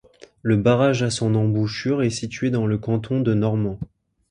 Le barrage à son embouchure est situé dans le canton de Normand.